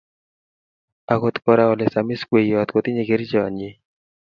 akot kora olesamis kweyot kotinye kerchonyi.